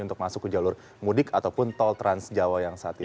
untuk masuk ke jalur mudik ataupun tol trans jawa yang saat ini